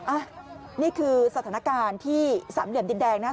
อ่ะนี่คือสถานการณ์ที่สามเดือนดินแดงนะ